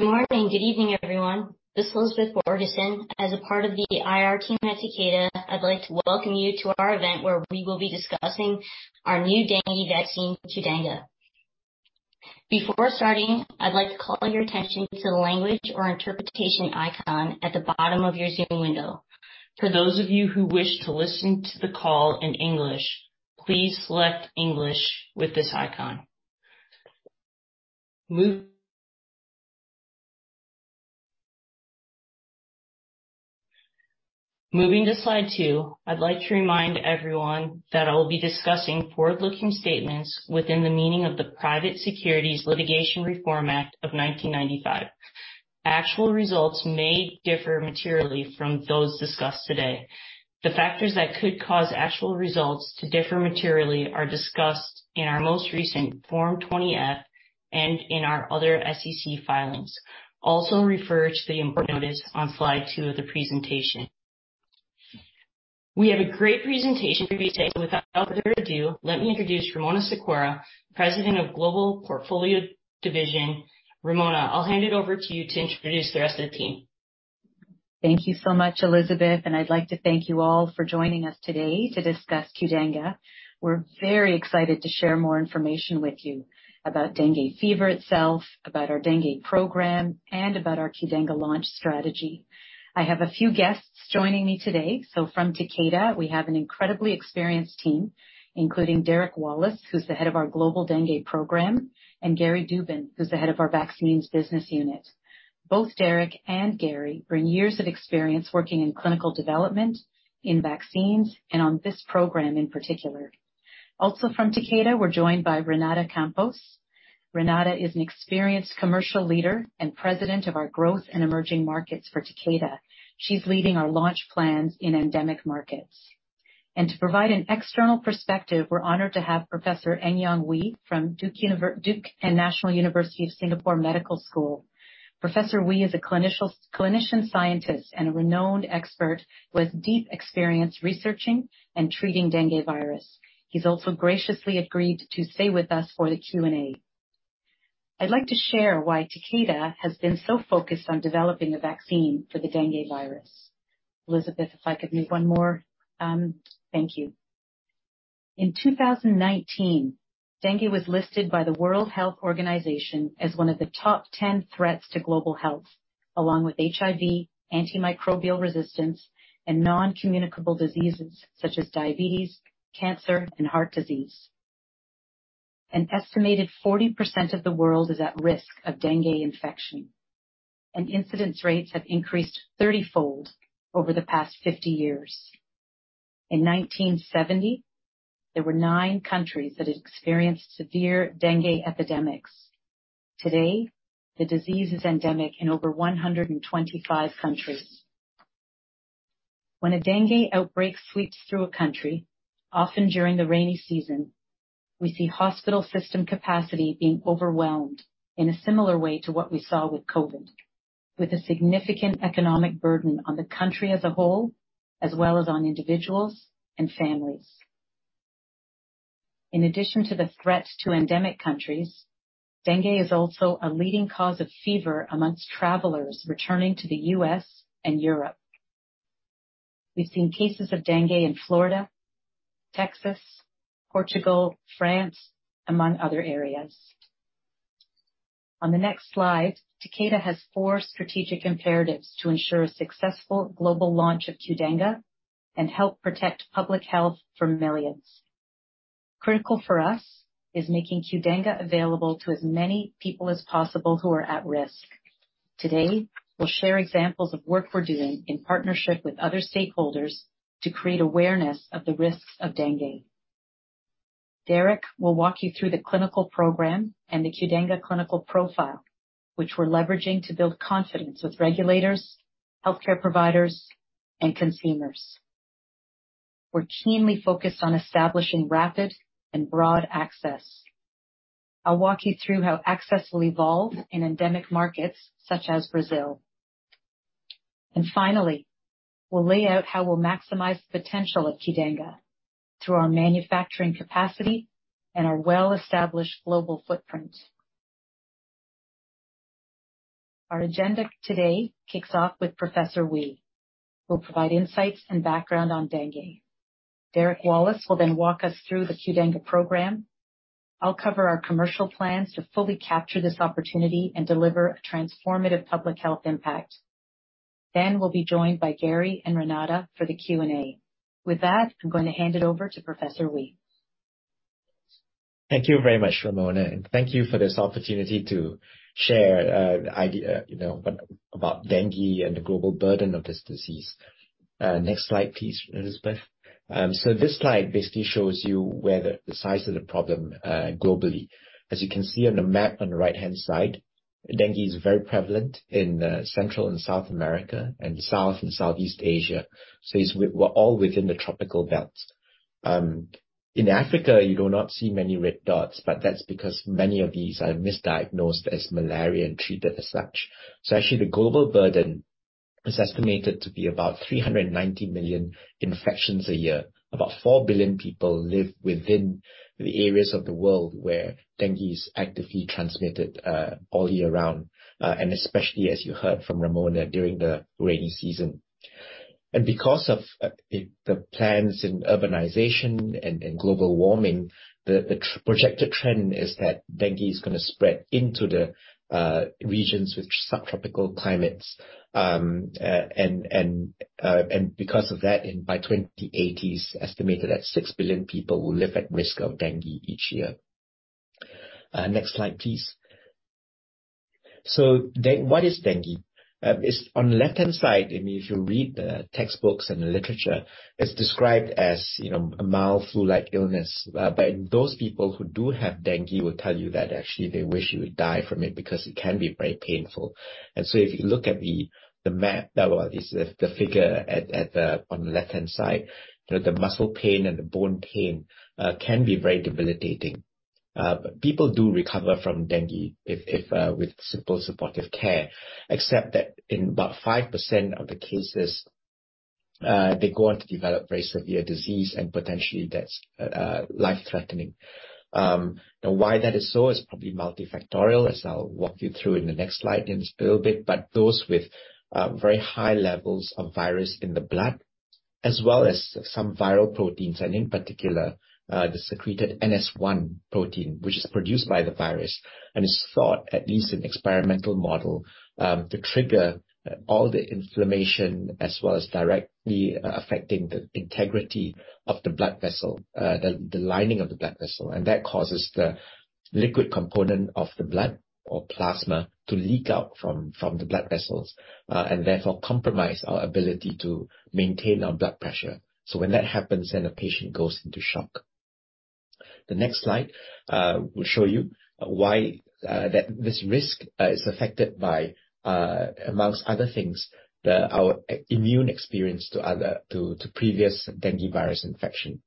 Good morning. Good evening, everyone. This is Elizabeth Borgeson. As a part of the IR team at Takeda, I'd like to welcome you to our event where we will be discussing our new dengue vaccine, Qdenga. Before starting, I'd like to call your attention to the language or interpretation icon at the bottom of your Zoom window. For those of you who wish to listen to the call in English, please select English with this icon. Moving to slide two, I'd like to remind everyone that I will be discussing forward-looking statements within the meaning of the Private Securities Litigation Reform Act of 1995. Actual results may differ materially from those discussed today. The factors that could cause actual results to differ materially are discussed in our most recent Form 20-F and in our other SEC filings. Also refer to the important notice on slide two of the presentation. We have a great presentation for you today. Without further ado, let me introduce Ramona Sequeira, President of Global Portfolio Division. Ramona, I'll hand it over to you to introduce the rest of the team. Thank you so much, Elizabeth, and I'd like to thank you all for joining us today to discuss Qdenga. We're very excited to share more information with you about dengue fever itself, about our dengue program, and about our Qdenga launch strategy. I have a few guests joining me today. From Takeda, we have an incredibly experienced team, including Derek Wallace, who's the head of our global dengue program, and Gary Dubin, who's the head of our vaccines business unit. Both Derek and Gary bring years of experience working in clinical development in vaccines and on this program in particular. Also from Takeda, we're joined by Renata Campos. Renata is an experienced commercial leader and President of our Growth and Emerging Markets for Takeda. She's leading our launch plans in endemic markets. To provide an external perspective, we're honored to have Professor Eng Eong Ooi from Duke and National University of Singapore Medical School. Professor Ooi is a clinician scientist, and a renowned expert with deep experience researching and treating dengue virus. He's also graciously agreed to stay with us for the Q&A. I'd like to share why Takeda has been so focused on developing a vaccine for the dengue virus. Elizabeth, if I could move one more. Thank you. In 2019, dengue was listed by the World Health Organization as one of the top 10 threats to global health, along with HIV, antimicrobial resistance, and non-communicable diseases such as diabetes, cancer, and heart disease. An estimated 40% of the world is at risk of dengue infection, and incidence rates have increased 30-fold over the past 50 years. In 1970, there were nine countries that had experienced severe dengue epidemics. Today, the disease is endemic in over 125 countries. When a dengue outbreak sweeps through a country, often during the rainy season, we see hospital system capacity being overwhelmed in a similar way to what we saw with COVID-19, with a significant economic burden on the country as a whole, as well as on individuals and families. In addition to the threat to endemic countries, dengue is also a leading cause of fever among travelers returning to the U.S. and Europe. We've seen cases of dengue in Florida, Texas, Portugal, France, among other areas. On the next slide, Takeda has four strategic imperatives to ensure a successful global launch of Qdenga and help protect public health for millions. Critical for us is making Qdenga available to as many people as possible who are at risk. Today, we'll share examples of work we're doing in partnership with other stakeholders to create awareness of the risks of dengue. Derek will walk you through the clinical program and the Qdenga clinical profile, which we're leveraging to build confidence with regulators, healthcare providers, and consumers. We're keenly focused on establishing rapid and broad access. I'll walk you through how access will evolve in endemic markets such as Brazil. Finally, we'll lay out how we'll maximize the potential of Qdenga through our manufacturing capacity and our well-established global footprint. Our agenda today kicks off with Professor Ooi, who'll provide insights and background on dengue. Derek Wallace will walk us through the Qdenga program. I'll cover our commercial plans to fully capture this opportunity and deliver a transformative public health impact. We'll be joined by Gary and Renata for the Q&A. With that, I'm going to hand it over to Professor Ooi. Thank you very much, Ramona, and thank you for this opportunity to share, you know, but about dengue and the global burden of this disease. Next slide, please, Elizabeth. This slide basically shows you where the size of the problem globally. As you can see on the map on the right-hand side, dengue is very prevalent in Central and South America and South and Southeast Asia, so it's well within the tropical belt. In Africa, you do not see many red dots, that's because many of these are misdiagnosed as malaria and treated as such. Actually, the global burden. It's estimated to be about 390 million infections a year. About 4 billion people live within the areas of the world where dengue is actively transmitted, all year round, and especially as you heard from Ramona, during the rainy season. Because of the plans in urbanization and global warming, the projected trend is that dengue is gonna spread into the regions with subtropical climates. Because of that, by the 2080s, estimated at 6 billion people will live at risk of dengue each year. Next slide, please. What is dengue? It's on the left-hand side, I mean, if you read the textbooks and the literature, it's described as, you know, a mild flu-like illness. Those people who do have dengue will tell you that actually they wish you would die from it because it can be very painful. If you look at the map, or this, the figure at the, on the left-hand side, you know, the muscle pain and the bone pain can be very debilitating. People do recover from dengue if with simple supportive care, except that in about 5% of the cases, they go on to develop very severe disease and potentially that's life-threatening. Why that is so is probably multifactorial, as I'll walk you through in the next slide in just a little bit. Those with very high levels of virus in the blood, as well as some viral proteins, and in particular, the secreted NS1 protein, which is produced by the virus and is thought, at least in experimental model, to trigger all the inflammation as well as directly affecting the integrity of the blood vessel, the lining of the blood vessel. That causes the liquid component of the blood or plasma to leak out from the blood vessels and therefore compromise our ability to maintain our blood pressure. When that happens, the patient goes into shock. The next slide will show you why that this risk is affected by amongst other things, our immune experience to previous dengue virus infection.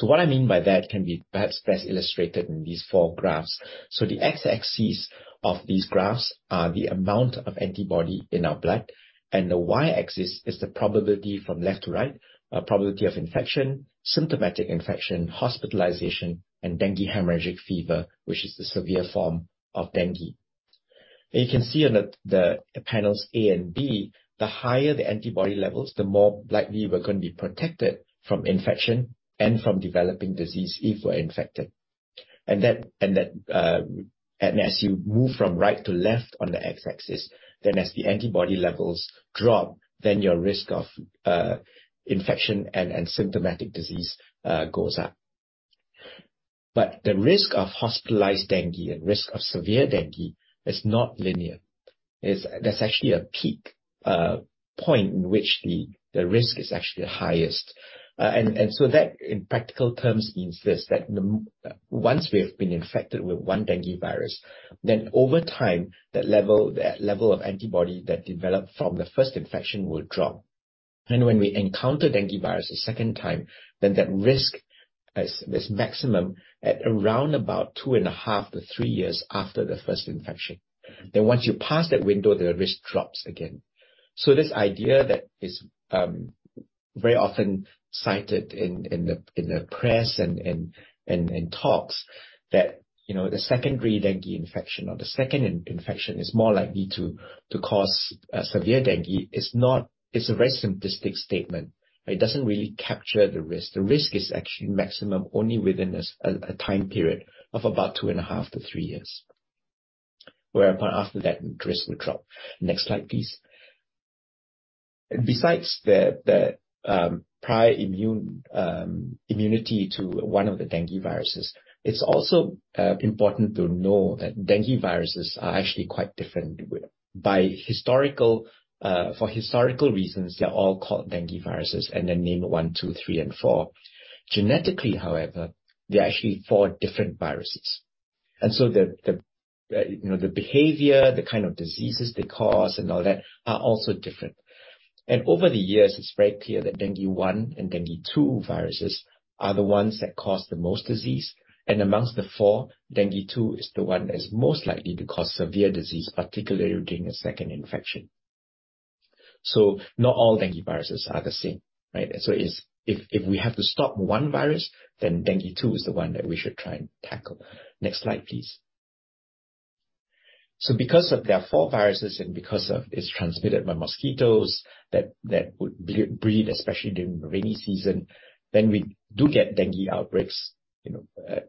What I mean by that can be perhaps best illustrated in these four graphs. The x-axis of these graphs are the amount of antibody in our blood, and the y-axis is the probability from left to right, probability of infection, symptomatic infection, hospitalization, and dengue hemorrhagic fever, which is the severe form of dengue. You can see on the panels A and B, the higher the antibody levels, the more likely we're gonna be protected from infection and from developing disease if we're infected. That, as you move from right to left on the x-axis, then as the antibody levels drop, then your risk of infection and symptomatic disease goes up. The risk of hospitalized dengue and risk of severe dengue is not linear. There's actually a peak point in which the risk is actually highest. That, in practical terms, means this, that once we have been infected with one dengue virus, over time, that level of antibody that developed from the first infection will drop. When we encounter dengue virus a second time, that risk is maximum at around about two and a half-three years after the first infection. Once you pass that window, the risk drops again. This idea that is very often cited in the press and talks that, you know, the secondary dengue infection or the second infection is more likely to cause severe dengue, it's a very simplistic statement. It doesn't really capture the risk. The risk is actually maximum only within a time period of about two and a half-three years, whereupon after that the risk would drop. Next slide, please. Besides the prior immune immunity to one of the dengue viruses, it's also important to know that dengue viruses are actually quite different. By historical reasons, they're all called dengue viruses and then named one, two, three, and four. Genetically, however, they're actually four different viruses. The, you know, the behavior, the kind of diseases they cause and all that are also different. Over the years, it's very clear that dengue one and dengue two viruses are the ones that cause the most disease. Amongst the four, dengue two is the one that's most likely to cause severe disease, particularly during a second infection. Not all dengue viruses are the same, right? If we have to stop one virus, then dengue two is the one that we should try and tackle. Next slide, please. Because there are four viruses and because it's transmitted by mosquitoes that would breed, especially during the rainy season, then we do get dengue outbreaks, you know,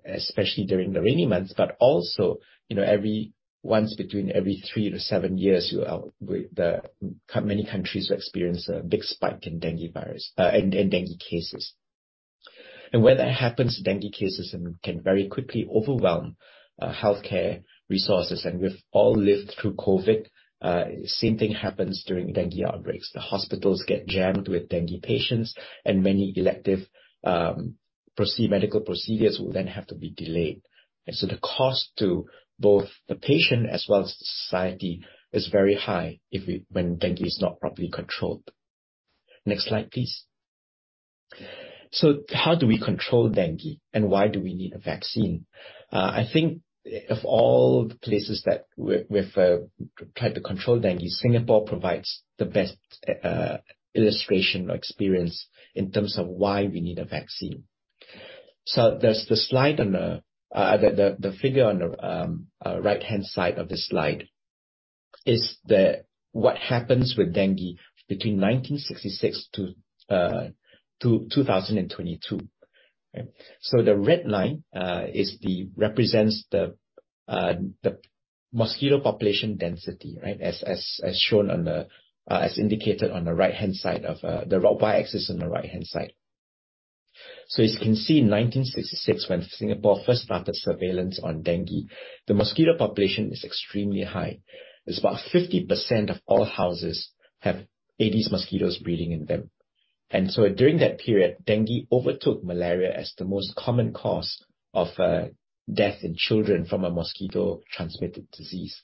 especially during the rainy months. Also, you know, every three-s years, many countries experience a big spike in dengue virus, in dengue cases. When that happens, dengue cases can very quickly overwhelm healthcare resources. We've all lived through COVID. Same thing happens during dengue outbreaks. The hospitals get jammed with dengue patients and many elective medical procedures will then have to be delayed. The cost to both the patient as well as society is very high when dengue is not properly controlled. Next slide, please. How do we control dengue, and why do we need a vaccine? I think of all the places that we've tried to control dengue, Singapore provides the best illustration or experience in terms of why we need a vaccine. There's the slide on the figure on the right-hand side of the slide is that what happens with dengue between 1966 to 2022. The red line represents the mosquito population density, right? As shown on the as indicated on the right-hand side of the raw y-axis on the right-hand side. As you can see, in 1966, when Singapore first started surveillance on dengue, the mosquito population is extremely high. It's about 50% of all houses have Aedes mosquitoes breeding in them. During that period, dengue overtook malaria as the most common cause of death in children from a mosquito-transmitted disease.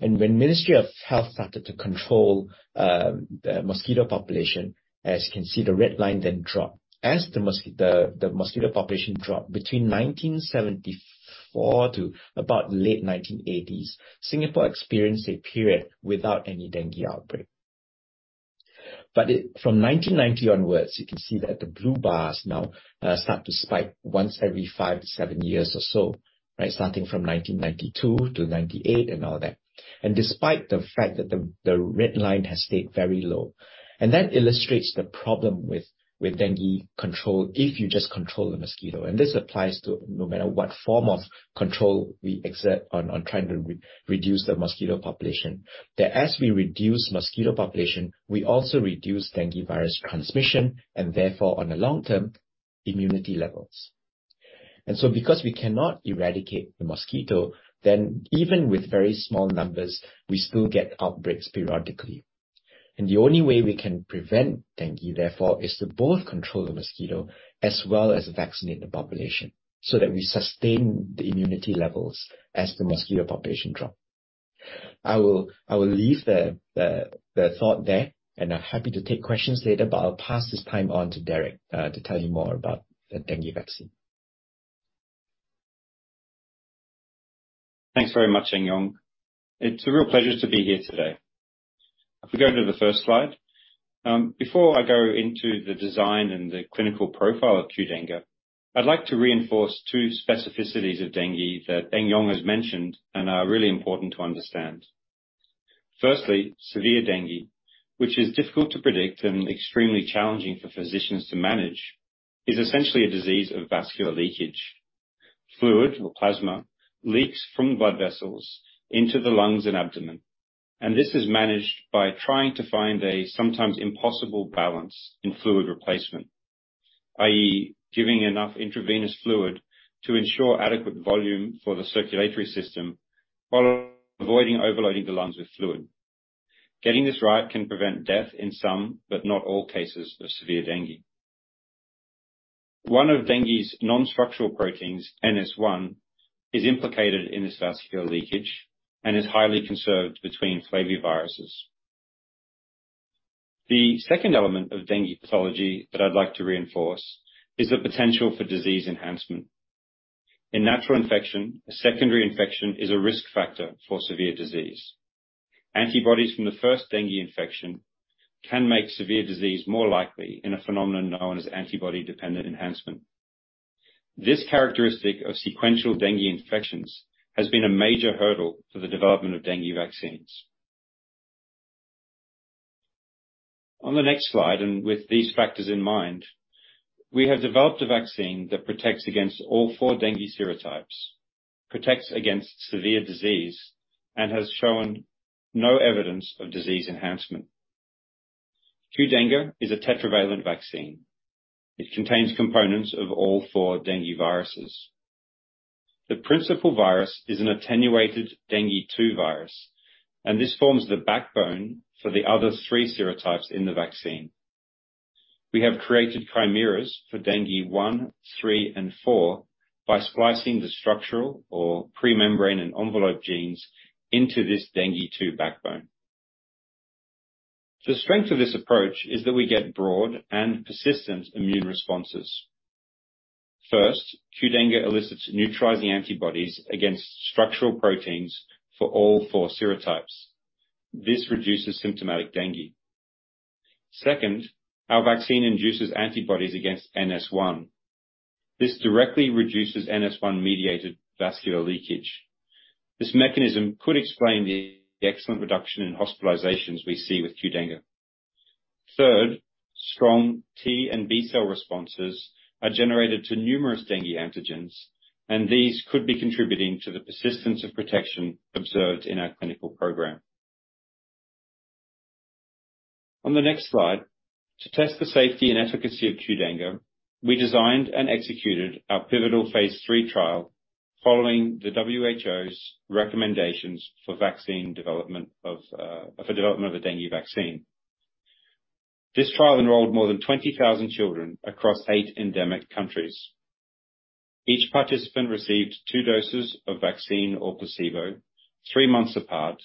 When Ministry of Health started to control the mosquito population, as you can see, the red line then dropped. As the mosquito population dropped between 1974 to about late 1980s, Singapore experienced a period without any dengue outbreak. From 1990 onwards, you can see that the blue bars now start to spike once every five-seven years or so, right? Starting from 1992-98 and all that. Despite the fact that the red line has stayed very low. That illustrates the problem with dengue control, if you just control the mosquito. This applies to no matter what form of control we exert on trying to re-reduce the mosquito population. That as we reduce mosquito population, we also reduce dengue virus transmission and therefore, on the long term, immunity levels. Because we cannot eradicate the mosquito, then even with very small numbers, we still get outbreaks periodically. The only way we can prevent dengue, therefore, is to both control the mosquito as well as vaccinate the population so that we sustain the immunity levels as the mosquito population drop. I will leave the thought there, and I'm happy to take questions later, but I'll pass this time on to Derek to tell you more about the dengue vaccine. Thanks very much, Eng Eong. It's a real pleasure to be here today. If we go to the first slide. Before I go into the design and the clinical profile of Qdenga, I'd like to reinforce two specificities of dengue that Eng Eong has mentioned and are really important to understand. Firstly, severe dengue, which is difficult to predict and extremely challenging for physicians to manage, is essentially a disease of vascular leakage. Fluid or plasma leaks from blood vessels into the lungs and abdomen. This is managed by trying to find a sometimes impossible balance in fluid replacement, i.e., giving enough intravenous fluid to ensure adequate volume for the circulatory system while avoiding overloading the lungs with fluid. Getting this right can prevent death in some, but not all cases of severe dengue. One of dengue's non-structural proteins, NS1, is implicated in this vascular leakage and is highly conserved between flaviviruses. The second element of dengue pathology that I'd like to reinforce is the potential for disease enhancement. In natural infection, a secondary infection is a risk factor for severe disease. Antibodies from the first dengue infection can make severe disease more likely in a phenomenon known as antibody-dependent enhancement. This characteristic of sequential dengue infections has been a major hurdle for the development of dengue vaccines. On the next slide, with these factors in mind, we have developed a vaccine that protects against all four dengue serotypes, protects against severe disease, and has shown no evidence of disease enhancement. Qdenga is a tetravalent vaccine. It contains components of all four dengue viruses. The principal virus is an attenuated dengue two virus. This forms the backbone for the other three serotypes in the vaccine. We have created chimeras for dengue one, three, and four by splicing the structural or premembrane and envelope genes into this dengue two backbone. The strength of this approach is that we get broad and persistent immune responses. First, Qdenga elicits neutralizing antibodies against structural proteins for all four serotypes. This reduces symptomatic dengue. Second, our vaccine induces antibodies against NS1. This directly reduces NS1-mediated vascular leakage. This mechanism could explain the excellent reduction in hospitalizations we see with Qdenga. Third, strong T and B-cell responses are generated to numerous dengue antigens. These could be contributing to the persistence of protection observed in our clinical program. On the next slide, to test the safety and efficacy of Qdenga, we designed and executed our pivotal phase III trial following the WHO's recommendations for vaccine development for development of a dengue vaccine. This trial enrolled more than 20,000 children across eight endemic countries. Each participant received two doses of vaccine or placebo three months apart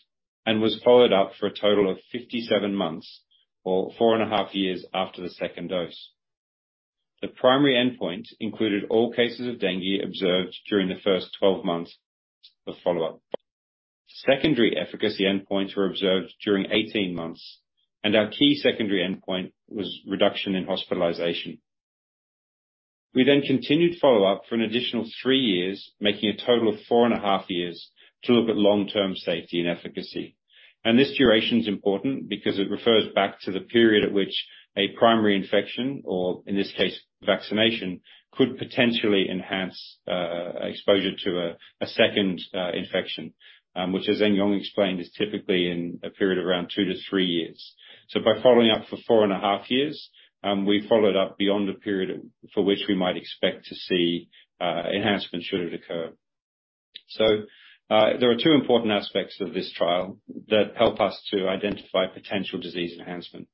and was followed up for a total of 57 months or four and a half years after the second dose. The primary endpoint included all cases of dengue observed during the first 12 months of follow-up. Secondary efficacy endpoints were observed during 18 months, and our key secondary endpoint was reduction in hospitalization. We continued follow-up for an additional three years, making a total of four and a half years, to look at long-term safety and efficacy. This duration is important because it refers back to the period at which a primary infection, or in this case vaccination, could potentially enhance exposure to a second infection, which as Eng Eong explained, is typically in a period around two-three years. By following up for four and a half years, we followed up beyond the period for which we might expect to see enhancement should it occur. There are two important aspects of this trial that help us to identify potential disease enhancement.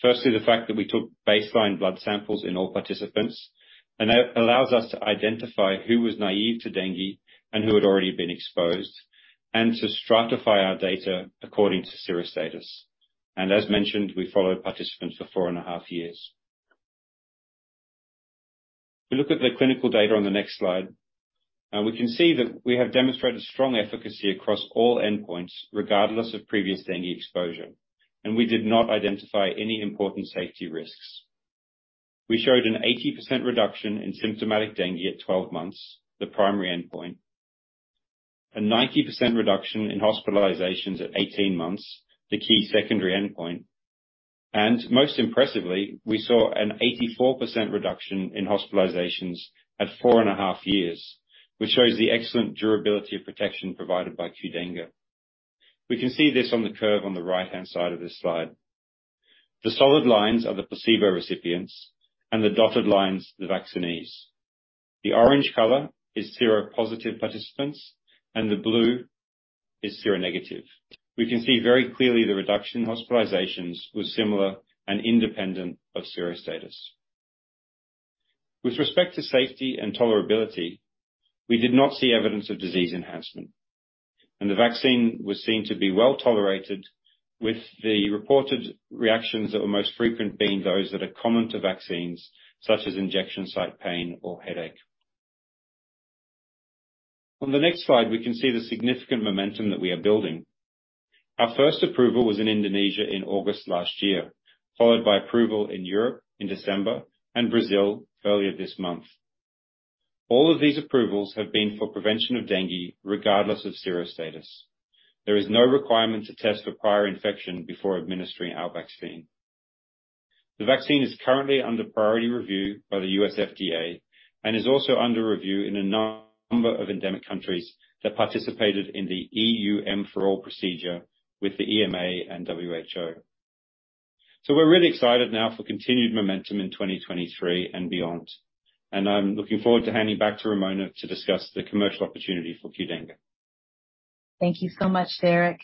Firstly, the fact that we took baseline blood samples in all participants, and that allows us to identify who was naive to dengue and who had already been exposed, and to stratify our data according to serostatus. As mentioned, we followed participants for four and a half years. If we look at the clinical data on the next slide, we can see that we have demonstrated strong efficacy across all endpoints regardless of previous dengue exposure, and we did not identify any important safety risks. We showed an 80% reduction in symptomatic dengue at 12 months, the primary endpoint. A 90% reduction in hospitalizations at 18 months, the key secondary endpoint. Most impressively, we saw an 84% reduction in hospitalizations at four and a half years, which shows the excellent durability of protection provided by Qdenga. We can see this on the curve on the right-hand side of this slide. The solid lines are the placebo recipients, and the dotted lines the vaccinees. The orange color is seropositive participants and the blue is seronegative. We can see very clearly the reduction in hospitalizations was similar and independent of serostatus. With respect to safety and tolerability, we did not see evidence of disease enhancement, and the vaccine was seen to be well-tolerated with the reported reactions that were most frequent being those that are common to vaccines such as injection, site pain, or headache. On the next slide, we can see the significant momentum that we are building. Our first approval was in Indonesia in August last year, followed by approval in Europe in December and Brazil earlier this month. All of these approvals have been for prevention of dengue regardless of serostatus. There is no requirement to test for prior infection before administering our vaccine. The vaccine is currently under priority review by the U.S. FDA and is also under review in a number of endemic countries that participated in the EU-M4all procedure with the EMA and WHO. we're really excited now for continued momentum in 2023 and beyond, and I'm looking forward to handing back to Ramona to discuss the commercial opportunity for Qdenga. Thank you so much, Derek.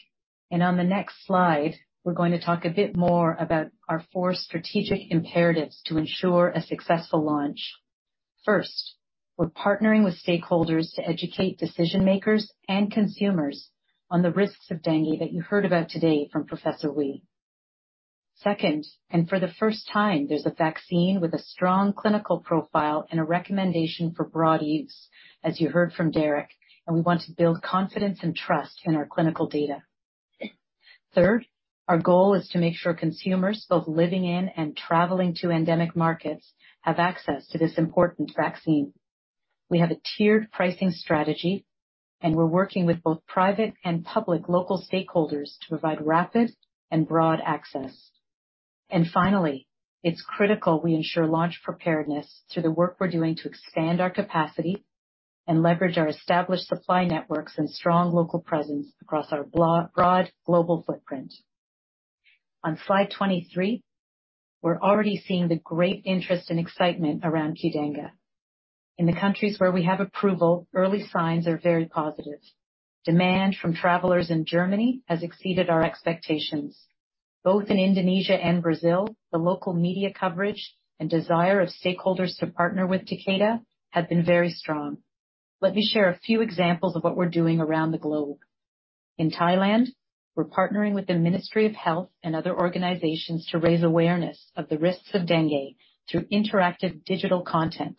On the next slide, we're going to talk a bit more about our four strategic imperatives to ensure a successful launch. First, we're partnering with stakeholders to educate decision-makers and consumers on the risks of dengue that you heard about today from Professor Ooi. Second, for the first time, there's a vaccine with a strong clinical profile and a recommendation for broad use, as you heard from Derek, we want to build confidence and trust in our clinical data. Third, our goal is to make sure consumers both living in and traveling to endemic markets have access to this important vaccine. We have a tiered pricing strategy, we're working with both private and public local stakeholders to provide rapid and broad access. Finally, it's critical we ensure launch preparedness through the work we're doing to expand our capacity and leverage our established supply networks and strong local presence across our broad global footprint. On slide 23, we're already seeing the great interest and excitement around Qdenga. In the countries where we have approval, early signs are very positive. Demand from travelers in Germany has exceeded our expectations. Both in Indonesia and Brazil, the local media coverage and desire of stakeholders to partner with Takeda have been very strong. Let me share a few examples of what we're doing around the globe. In Thailand, we're partnering with the Ministry of Health and other organizations to raise awareness of the risks of dengue through interactive digital content.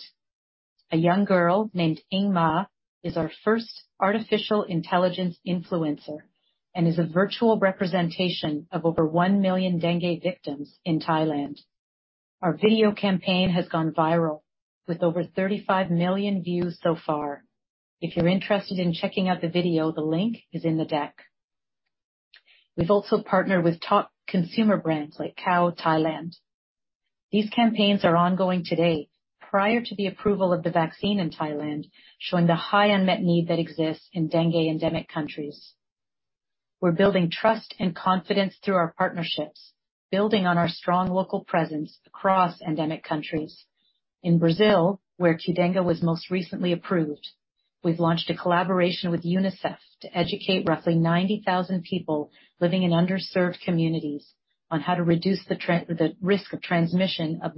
A young girl named Ingma is our first artificial intelligence influencer and is a virtual representation of over 1 million dengue victims in Thailand. Our video campaign has gone viral with over 35 million views so far. If you're interested in checking out the video, the link is in the deck. We've also partnered with top consumer brands like Kao Thailand. These campaigns are ongoing today prior to the approval of the vaccine in Thailand, showing the high unmet need that exists in dengue endemic countries. We're building trust and confidence through our partnerships, building on our strong local presence across endemic countries. In Brazil, where Qdenga was most recently approved. We've launched a collaboration with UNICEF to educate roughly 90,000 people living in underserved communities on how to reduce the risk of transmission of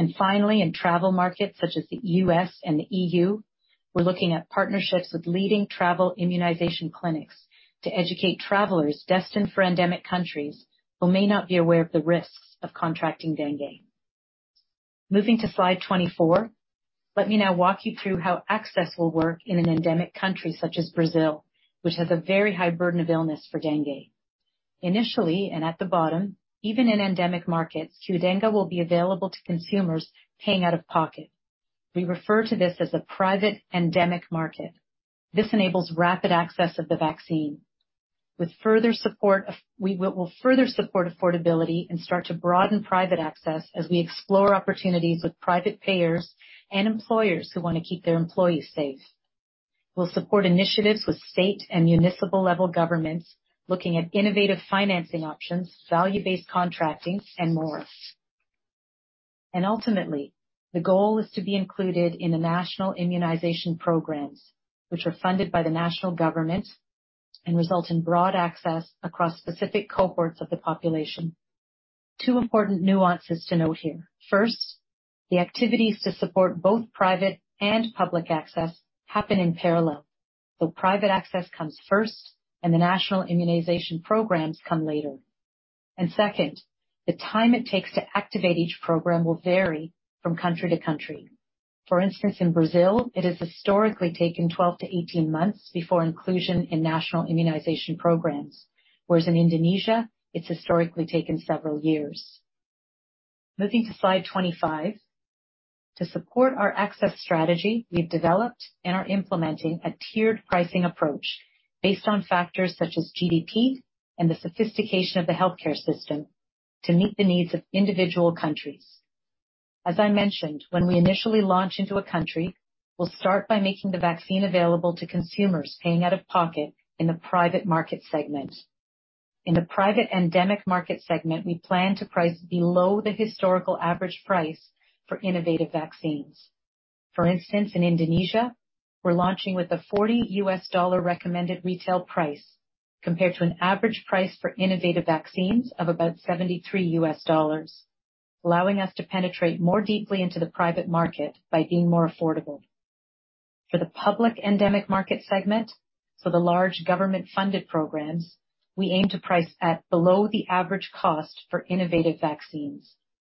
mosquito-borne diseases. Finally, in travel markets such as the U.S. and the EU, we're looking at partnerships with leading travel immunization clinics to educate travelers destined for endemic countries who may not be aware of the risks of contracting dengue. Moving to slide 24. Let me now walk you through how access will work in an endemic country such as Brazil, which has a very high burden of illness for dengue. Initially, at the bottom, even in endemic markets, Qdenga will be available to consumers paying out of pocket. We refer to this as a private endemic market. This enables rapid access of the vaccine. We will further support affordability and start to broaden private access as we explore opportunities with private payers and employers who want to keep their employees safe. We'll support initiatives with state and municipal-level governments looking at innovative financing options, value-based contracting, and more. Ultimately, the goal is to be included in the national immunization programs, which are funded by the national government and result in broad access across specific cohorts of the population. Two important nuances to note here. First, the activities to support both private and public access happen in parallel. Private access comes first and the national immunization programs come later. Second, the time it takes to activate each program will vary from country to country. For instance, in Brazil, it has historically taken 12 to 18 months before inclusion in national immunization programs, whereas in Indonesia it's historically taken several years. Moving to slide 25. To support our access strategy, we've developed and are implementing a tiered pricing approach based on factors such as GDP and the sophistication of the healthcare system to meet the needs of individual countries. As I mentioned, when we initially launch into a country, we'll start by making the vaccine available to consumers paying out of pocket in the private market segment. In the private endemic market segment, we plan to price below the historical average price for innovative vaccines. For instance, in Indonesia, we're launching with a $40 recommended retail price compared to an average price for innovative vaccines of about $73, allowing us to penetrate more deeply into the private market by being more affordable. For the public endemic market segment, for the large government-funded programs, we aim to price at below the average cost for innovative vaccines.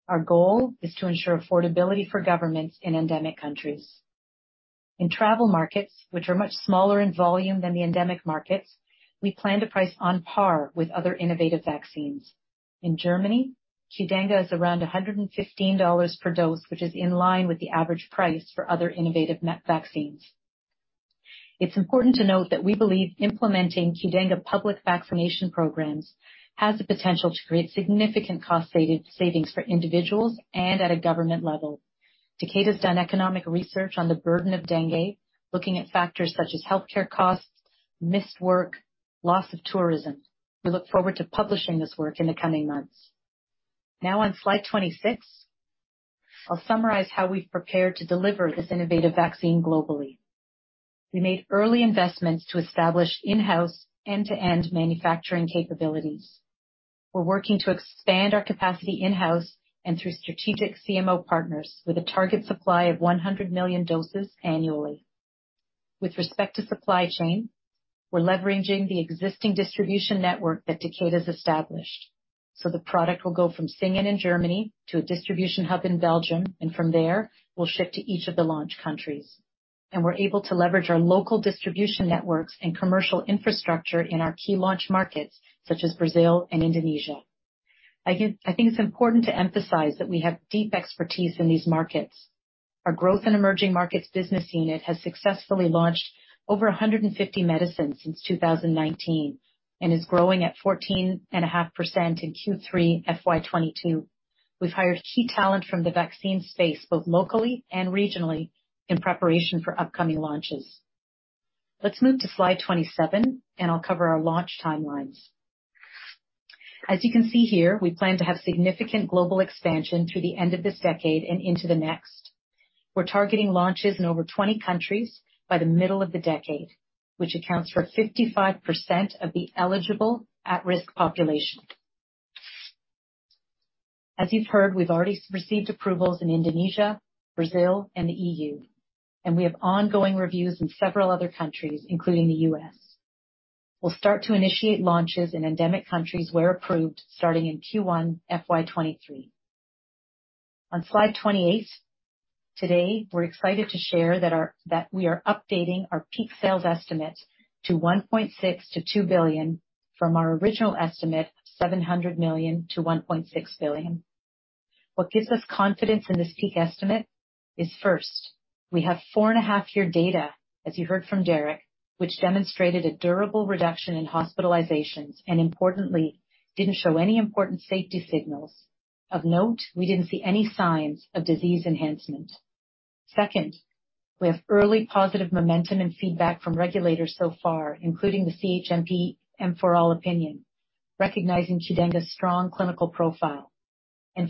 Our goal is to ensure affordability for governments in endemic countries. In travel markets, which are much smaller in volume than the endemic markets, we plan to price on par with other innovative vaccines. In Germany, Qdenga is around $115 per dose, which is in line with the average price for other innovative vaccines. It's important to note that we believe implementing Qdenga public vaccination programs has the potential to create significant cost savings for individuals and at a government level. Takeda's done economic research on the burden of dengue, looking at factors such as healthcare costs, missed work, loss of tourism. We look forward to publishing this work in the coming months. On slide 26, I'll summarize how we've prepared to deliver this innovative vaccine globally. We made early investments to establish in-house end-to-end manufacturing capabilities. We're working to expand our capacity in-house and through strategic CMO partners with a target supply of 100 million doses annually. With respect to supply chain, we're leveraging the existing distribution network that Takeda has established. The product will go from Singen in Germany to a distribution hub in Belgium, and from there will ship to each of the launch countries. We're able to leverage our local distribution networks and commercial infrastructure in our key launch markets such as Brazil and Indonesia. I think it's important to emphasize that we have deep expertise in these markets. Our Growth & Emerging Markets Business Unit has successfully launched over 150 medicines since 2019 and is growing at 14.5% in Q3 FY22. We've hired key talent from the vaccine space, both locally and regionally, in preparation for upcoming launches. Let's move to slide 27. I'll cover our launch timelines. As you can see here, we plan to have significant global expansion through the end of this decade and into the next. We're targeting launches in over 20 countries by the middle of the decade, which accounts for 55% of the eligible at-risk population. As you've heard, we've already received approvals in Indonesia, Brazil, and the EU. We have ongoing reviews in several other countries, including the US. We'll start to initiate launches in endemic countries where approved starting in Q1 FY23. On slide 28, today we're excited to share that we are updating our peak sales estimate to $1.6 billion-$2 billion from our original estimate of $700 million-$1.6 billion. What gives us confidence in this peak estimate is, first, we have four and a half-year data, as you heard from Derek, which demonstrated a durable reduction in hospitalizations and importantly didn't show any important safety signals. Of note, we didn't see any signs of disease enhancement. Second, we have early positive momentum and feedback from regulators so far, including the CHMP and EU-M4all opinion, recognizing Qdenga's strong clinical profile.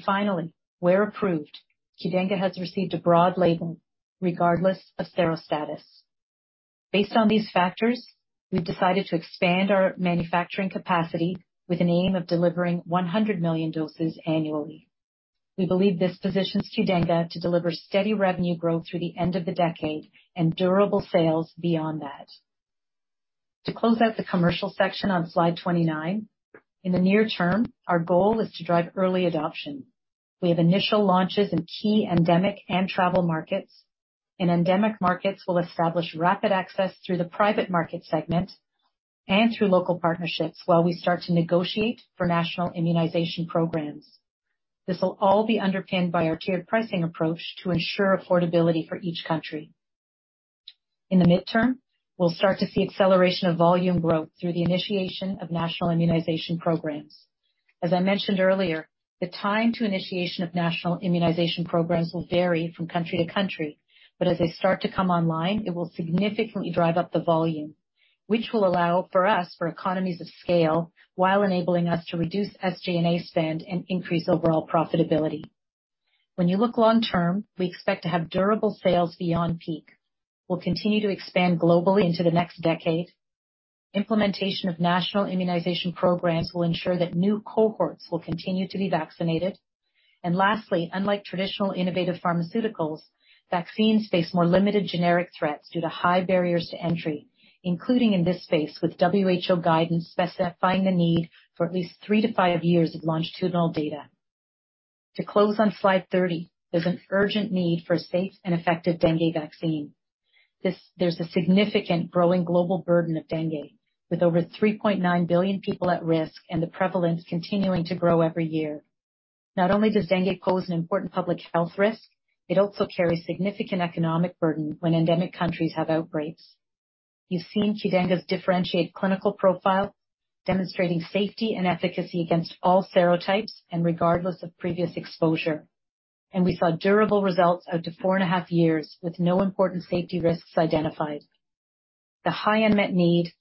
Finally, where approved, Qdenga has received a broad label regardless of serostatus. Based on these factors, we've decided to expand our manufacturing capacity with an aim of delivering 100 million doses annually. We believe this positions Qdenga to deliver steady revenue growth through the end of the decade and durable sales beyond that. To close out the commercial section on slide 29, in the near term, our goal is to drive early adoption. We have initial launches in key endemic and travel markets. In endemic markets, we'll establish rapid access through the private market segment and through local partnerships while we start to negotiate for national immunization programs. This will all be underpinned by our tiered pricing approach to ensure affordability for each country. In the midterm, we'll start to see acceleration of volume growth through the initiation of national immunization programs. As I mentioned earlier, the time to initiation of national immunization programs will vary from country to country, as they start to come online, it will significantly drive up the volume, which will allow for us for economies of scale while enabling us to reduce SG&A spend and increase overall profitability. When you look long term, we expect to have durable sales beyond peak. We'll continue to expand globally into the next decade. Implementation of national immunization programs will ensure that new cohorts will continue to be vaccinated. Lastly, unlike traditional innovative pharmaceuticals, vaccines face more limited generic threats due to high barriers to entry, including in this space, with WHO guidance specifying the need for at least three-five years of longitudinal data. To close on slide 30, there's an urgent need for safe and effective dengue vaccine. There's a significant growing global burden of dengue, with over 3.9 billion people at risk and the prevalence continuing to grow every year. Not only does dengue pose an important public health risk, it also carries significant economic burden when endemic countries have outbreaks. You've seen Qdenga's differentiated clinical profile demonstrating safety and efficacy against all serotypes and regardless of previous exposure. We saw durable results out to four and a half years with no important safety risks identified. The high unmet need,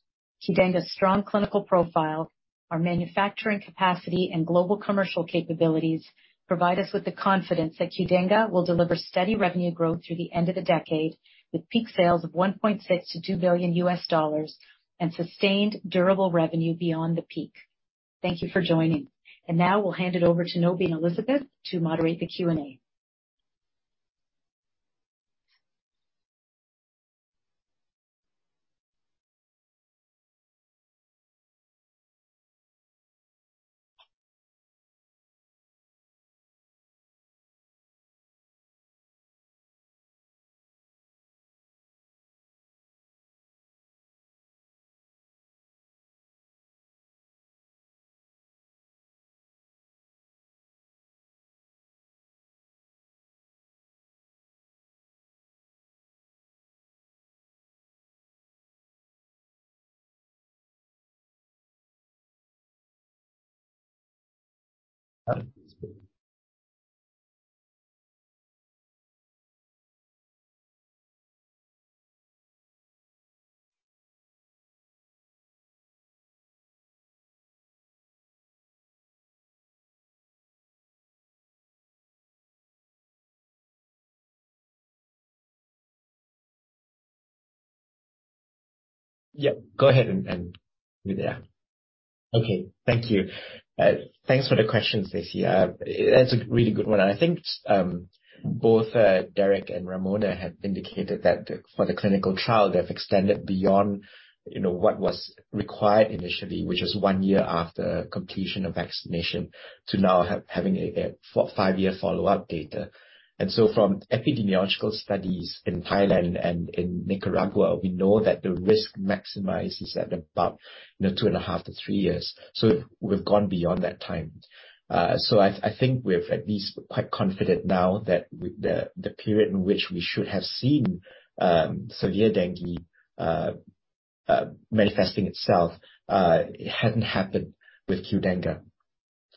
Qdenga's strong clinical profile, our manufacturing capacity, and global commercial capabilities provide us with the confidence that Qdenga will deliver steady revenue growth through the end of the decade, with peak sales of $1.6 billion-$2 billion and sustained durable revenue beyond the peak. Thank you for joining. Now we'll hand it over to Nobi and Elizabeth to moderate the Q&A. Yeah, go ahead and do that. Okay. Thank you. Thanks for the question, Stacey. That's a really good one. I think, both Derek and Ramona have indicated that for the clinical trial, they've extended beyond, you know, what was required initially, which is one year after completion of vaccination to now having a five-year follow-up data. From epidemiological studies in Thailand and in Nicaragua, we know that the risk maximizes at about, you know, two and a half-three years. We've gone beyond that time. I think we're at least quite confident now that the period in which we should have seen severe dengue manifesting itself, it hadn't happened with Qdenga.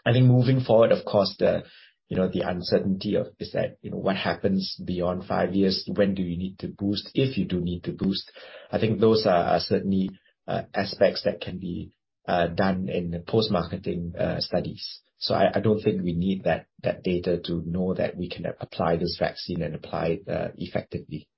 I think moving forward, of course, the, you know, the uncertainty of is that, you know, what happens beyond 5 years? When do you need to boost, if you do need to boost? I think those are certainly aspects that can be done in the post-marketing studies. I don't think we need that data to know that we can apply this vaccine and apply it effectively.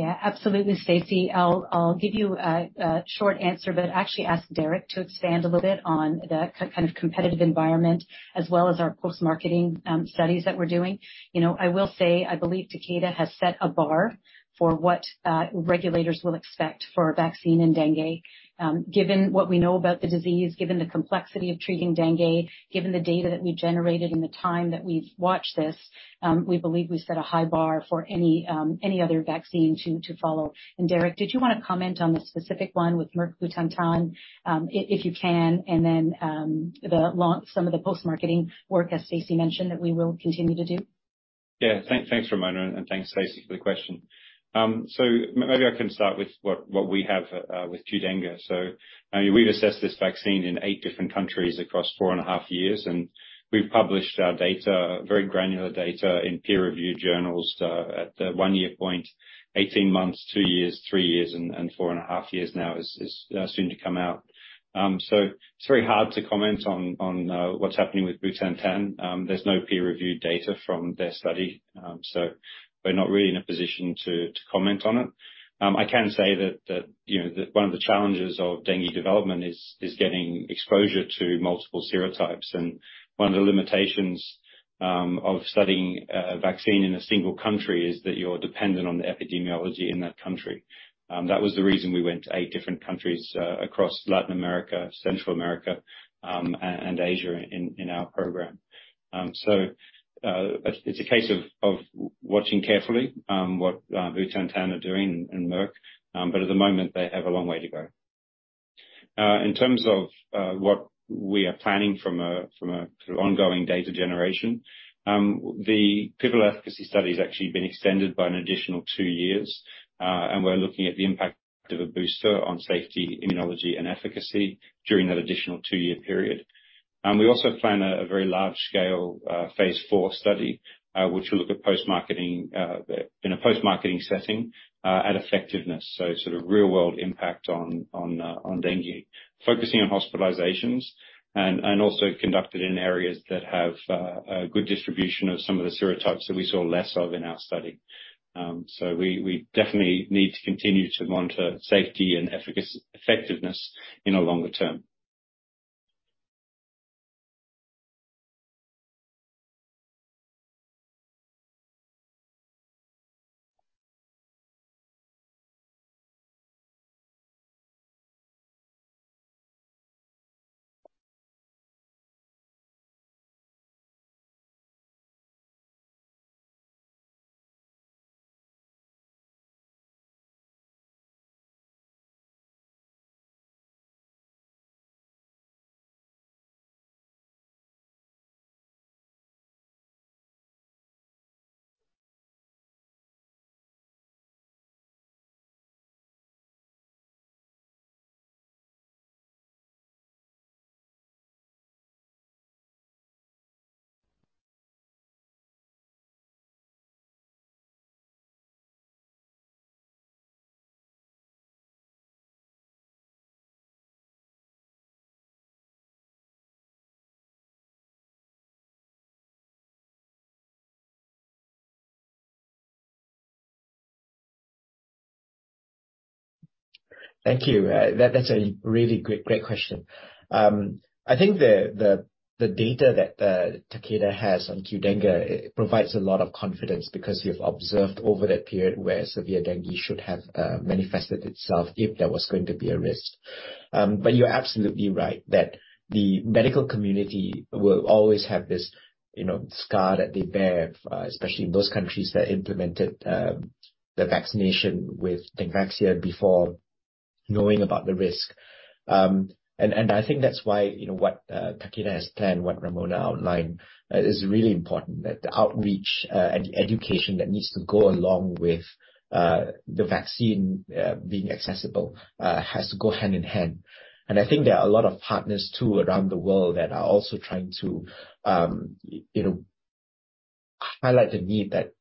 Absolutely, Stacy. I'll give you a short answer, but actually ask Derek to expand a little bit on the kind of competitive environment as well as our post-marketing studies that we're doing. You know, I will say I believe Takeda has set a bar for what regulators will expect for a vaccine in dengue. Given what we know about the disease, given the complexity of treating dengue, given the data that we generated in the time that we've watched this, we believe we've set a high bar for any any other vaccine to follow. Derek, did you wanna comment on the specific one with Merck Butantan, if you can, and then the launch some of the post-marketing work, as Stacy mentioned, that we will continue to do. Thanks, Ramona, and thanks, Stacy, for the question. Maybe I can start with what we have with Qdenga. I mean, we've assessed this vaccine in eight different countries across four and a half years, and we've published our data, very granular data, in peer-review journals at the one-year point, 18 months, two years, three years and four and a half years now is soon to come out. It's very hard to comment on what's happening with Butantan. There's no peer-review data from their study. We're not really in a position to comment on it. I can say that, you know, one of the challenges of dengue development is getting exposure to multiple serotypes. One of the limitations of studying a vaccine in a single country is that you're dependent on the epidemiology in that country. That was the reason we went to eight different countries across Latin America, Central America, and Asia in our program. It's a case of watching carefully what Butantan are doing and Merck. At the moment, they have a long way to go. In terms of what we are planning from a sort of ongoing data generation, the pivotal efficacy study has actually been extended by an additional two years. We're looking at the impact of a booster on safety, immunology and efficacy during that additional two-year period. We also plan a very large scale Phase IV study, which will look at post-marketing in a post-marketing setting at effectiveness. Sort of real-world impact on dengue. Focusing on hospitalizations and also conducted in areas that have a good distribution of some of the serotypes that we saw less of in our study. We definitely need to continue to monitor safety and effectiveness in a longer term. Thank you. That's a really great question. I think the data that Takeda has on Qdenga provides a lot of confidence because you've observed over that period where severe dengue should have manifested itself if there was going to be a risk. You're absolutely right that the medical community will always have this, you know, scar that they bear, especially in those countries that implemented the vaccination with Dengvaxia before knowing about the risk. I think that's why, you know, what Takeda has planned, what Ramona outlined, is really important, that the outreach and the education that needs to go along with the vaccine being accessible has to go hand in hand. I think there are a lot of partners, too, around the world that are also trying to, you know, highlight the need that, you know, that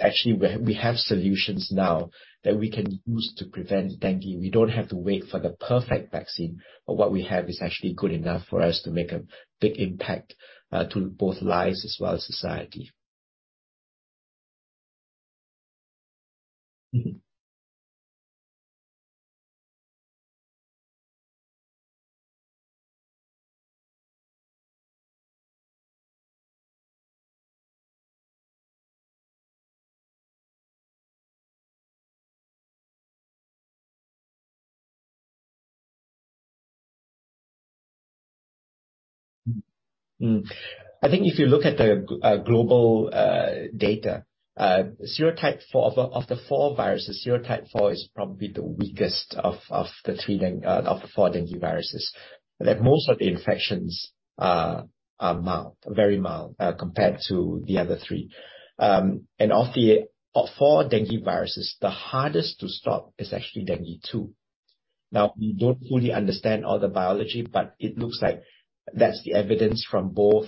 actually we have solutions now that we can use to prevent dengue. We don't have to wait for the perfect vaccine, but what we have is actually good enough for us to make a big impact to both lives as well as society. I think if you look at the global data, serotype four of the four viruses, serotype four is probably the weakest of the four dengue viruses. Most of the infections are mild, very mild, compared to the other three. Of the four dengue viruses, the hardest to stop is actually dengue two. We don't fully understand all the biology, but it looks like that's the evidence from both,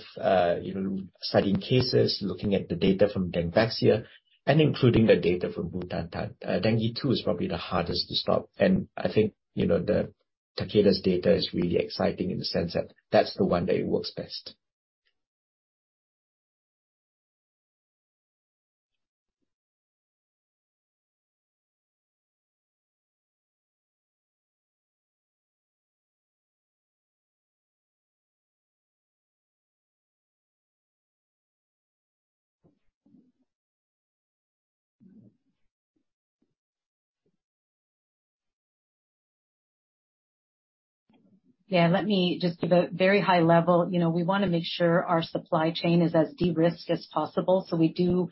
you know, studying cases, looking at the data from Dengvaxia, and including the data from Butantan. Dengue two is probably the hardest to stop. I think, you know, the Takeda's data is really exciting in the sense that that's the one that it works best. Yeah, let me just give a very high level. You know, we wanna make sure our supply chain is as de-risked as possible, so we do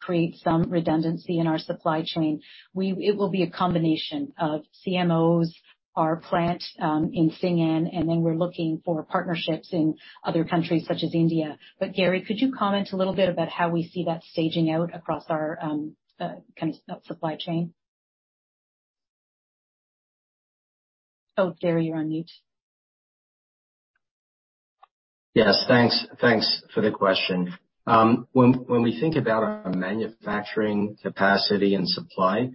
create some redundancy in our supply chain. It will be a combination of CMOs, our plant in Singen, and then we're looking for partnerships in other countries such as India. Gary, could you comment a little bit about how we see that staging out across our kind of supply chain? Oh, Gary, you're on mute. Yes, thanks. Thanks for the question. When we think about our manufacturing capacity and supply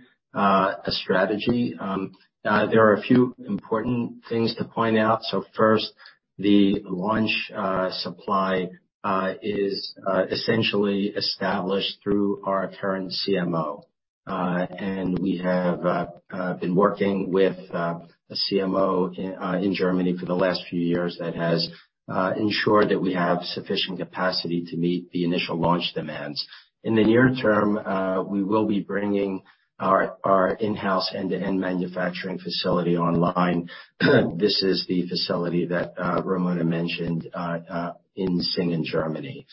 strategy, there are a few important things to point out. First, the launch supply is essentially established through our current CMO. We have been working with a CMO in Germany for the last few years that has ensured that we have sufficient capacity to meet the initial launch demands. In the near term, we will be bringing our in-house end-to-end manufacturing facility online. This is the facility that Ramona mentioned in Singen, Germany.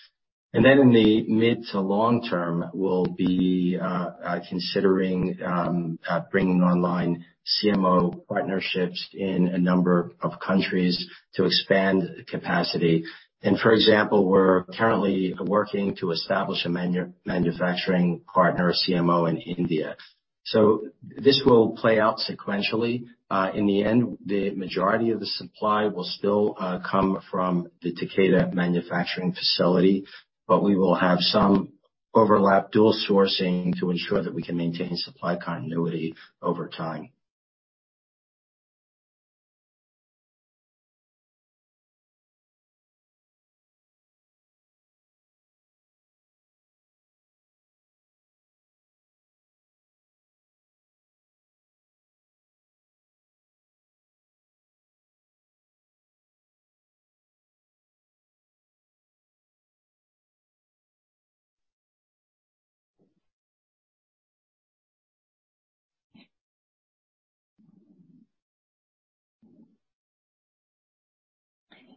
Then in the mid to long term, we'll be considering bringing online CMO partnerships in a number of countries to expand capacity. For example, we're currently working to establish a manufacturing partner CMO in India. This will play out sequentially. In the end, the majority of the supply will still come from the Takeda manufacturing facility, but we will have some overlap dual sourcing to ensure that we can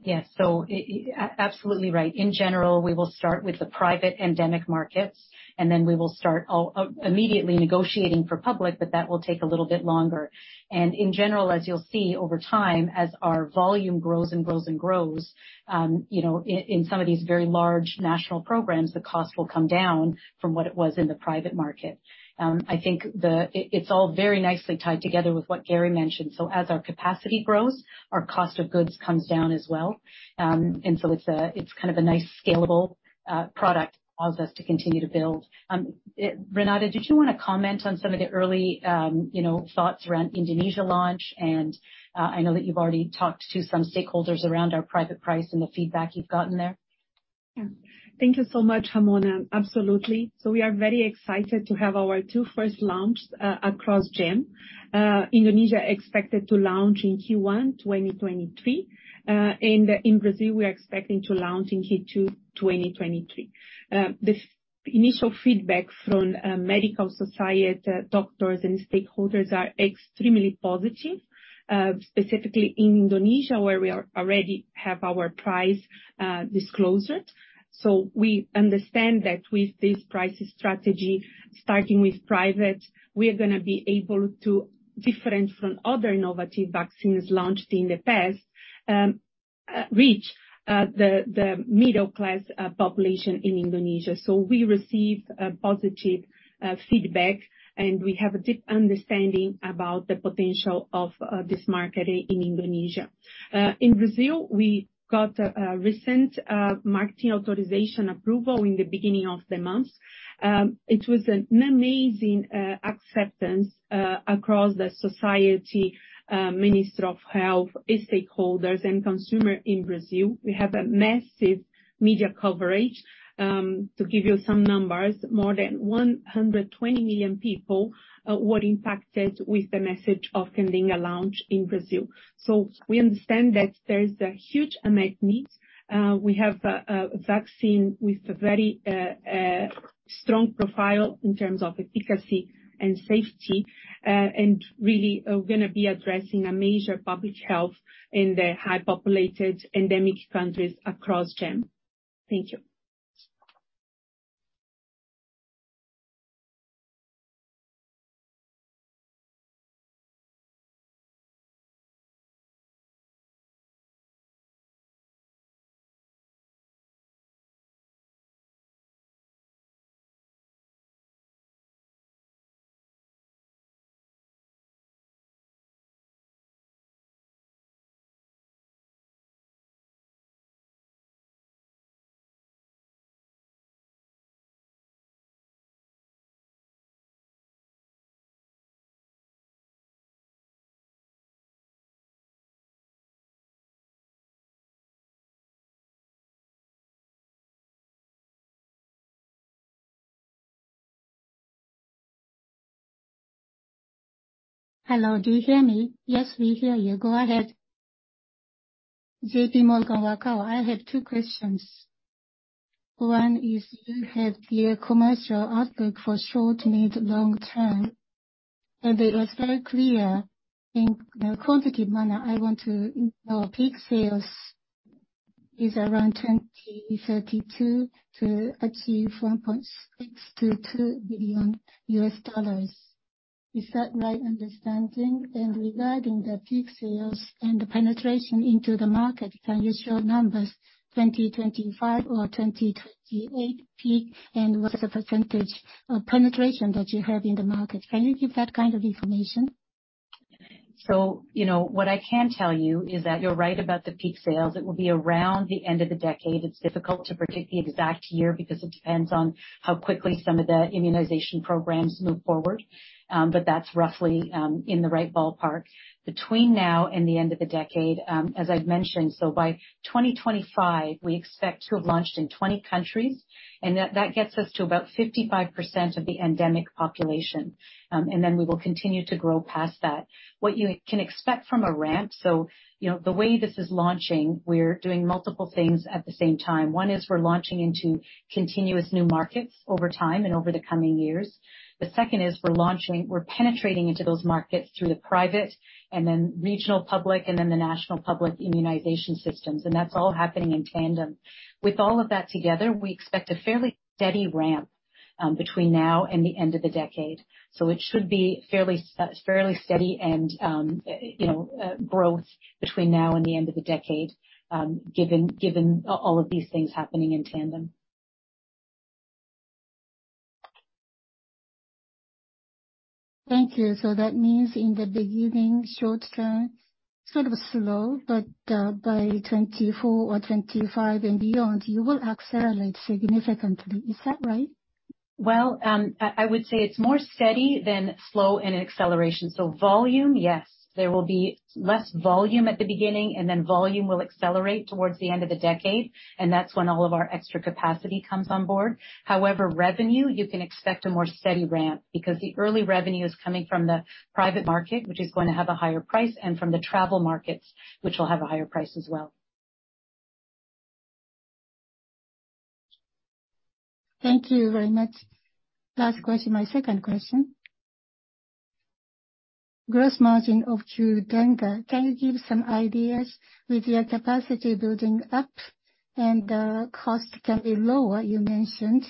maintain supply continuity over time. Yes. Absolutely right. In general, we will start with the private endemic markets, then we will start immediately negotiating for public, but that will take a little bit longer. In general, as you'll see over time, as our volume grows and grows and grows, you know, in some of these very large national programs, the cost will come down from what it was in the private market. It's all very nicely tied together with what Gary mentioned. As our capacity grows, our cost of goods comes down as well. it's a, it's kind of a nice scalable product, allows us to continue to build. Renata, did you wanna comment on some of the early, you know, thoughts around Indonesia launch and, I know that you've already talked to some stakeholders around our private price and the feedback you've gotten there. Yeah. Thank you so much, Ramona. Absolutely. We are very excited to have our two first launch across GEM. Indonesia expected to launch in Q1 2023. In Brazil, we're expecting to launch in Q2 2023. The initial feedback from medical society, doctors and stakeholders are extremely positive, specifically in Indonesia, where we are already have our price disclosed. We understand that with this pricing strategy, starting with private, we're gonna be able to differ from other innovative vaccines launched in the past, reach the middle class population in Indonesia. We receive a positive feedback, and we have a deep understanding about the potential of this market in Indonesia. In Brazil, we got recent marketing authorization approval in the beginning of the month. It was an amazing acceptance across the society, Minister of Health, the stakeholders, and consumer in Brazil. We have a massive media coverage. To give you some numbers, more than 120 million people were impacted with the message of Qdenga launch in Brazil. We understand that there is a huge unmet need. We have a vaccine with a very strong profile in terms of efficacy and safety, and really are gonna be addressing a major public health in the high populated endemic countries across GEM. Thank you. Hello, do you hear me? Yes, we hear you. Go ahead. JPMorgan, Wakao. I have two questions. one is, you have your commercial outlook for short, mid, long-term, and it was very clear. In the quantitative manner, I want to know peak sales is around 2032 to achieve $1.6 billion-$2 billion. Is that right understanding? Regarding the peak sales and the penetration into the market, can you show numbers 2025 or 2028 peak? What is the percentage of penetration that you have in the market? Can you give that kind of information? You know, what I can tell you is that you're right about the peak sales. It will be around the end of the decade. It's difficult to predict the exact year, because it depends on how quickly some of the immunization programs move forward. But that's roughly in the right ballpark. Between now and the end of the decade, as I've mentioned, so by 2025, we expect to have launched in 20 countries, and that gets us to about 55% of the endemic population. And then we will continue to grow past that. What you can expect from a ramp. You know, the way this is launching, we're doing multiple things at the same time. One is we're launching into continuous new markets over time and over the coming years. The second is we're penetrating into those markets through the private and then regional public and then the national public immunization systems. That's all happening in tandem. With all of that together, we expect a fairly steady ramp between now and the end of the decade. It should be fairly steady and, you know, growth between now and the end of the decade, given all of these things happening in tandem. Thank you. That means in the beginning, short-term, sort of slow, but by 2024 or 2025 and beyond, you will accelerate significantly. Is that right? I would say it's more steady than slow and an acceleration. Volume, yes. There will be less volume at the beginning, and then volume will accelerate towards the end of the decade, and that's when all of our extra capacity comes on board. Revenue, you can expect a more steady ramp, because the early revenue is coming from the private market, which is going to have a higher price, and from the travel markets, which will have a higher price as well. Thank you very much. Last question, my second question. Gross margin of Qdenga. Can you give some ideas with your capacity building up and costs can be lower, you mentioned.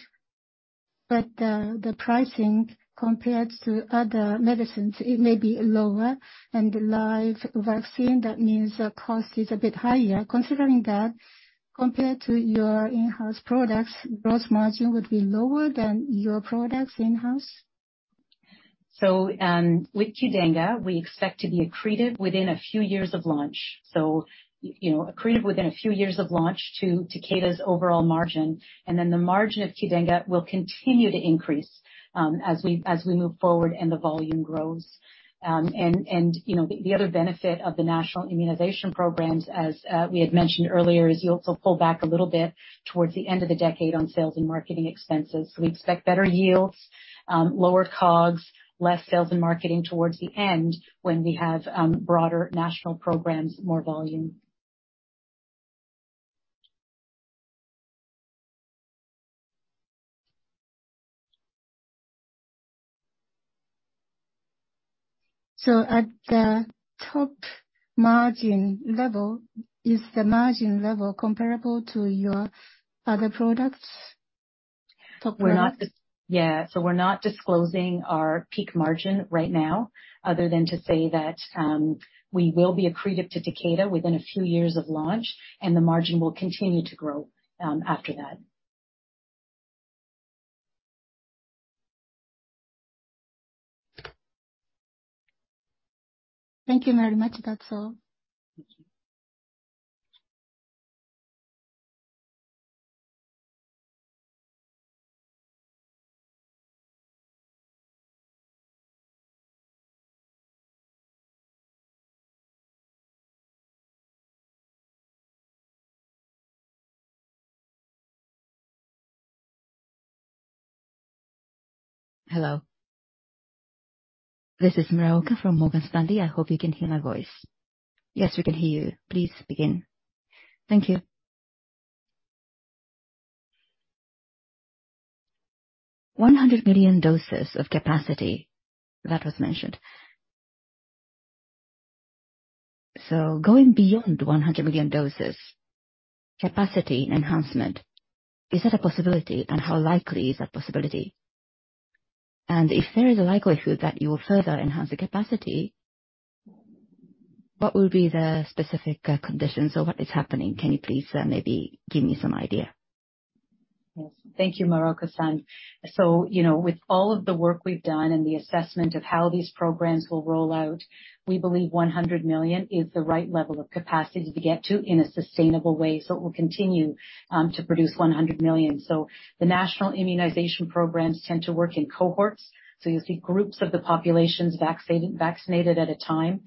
The pricing compared to other medicines, it may be lower and live vaccine, that means the cost is a bit higher. Considering that, compared to your in-house products, gross margin would be lower than your products in-house? With Qdenga, we expect to be accretive within a few years of launch. You know, accretive within a few years of launch to Takeda's overall margin, and then the margin of Qdenga will continue to increase as we move forward and the volume grows. You know, the other benefit of the national immunization programs, as we had mentioned earlier, is you'll also pull back a little bit towards the end of the decade on sales and marketing expenses. We expect better yields, lower COGS, less sales and marketing towards the end when we have broader national programs, more volume. At the top margin level, is the margin level comparable to your other products? Top line. Yeah. We're not disclosing our peak margin right now, other than to say that, we will be accretive to Takeda within a few years of launch, and the margin will continue to grow, after that. Thank you very much. That's all. Thank you. Hello. This is Muraoka from Morgan Stanley. I hope you can hear my voice. Yes, we can hear you. Please begin. Thank you. 100 million doses of capacity, that was mentioned. Going beyond 100 million doses, capacity enhancement, is that a possibility? How likely is that possibility? If there is a likelihood that you will further enhance the capacity? What will be the specific conditions or what is happening? Can you please, maybe give me some idea? Yes. Thank you, Muraoka-san. You know, with all of the work we've done and the assessment of how these programs will roll out, we believe 100 million is the right level of capacity to get to in a sustainable way. We'll continue to produce 100 million. The national immunization programs tend to work in cohorts. You'll see groups of the populations vaccinated at a time.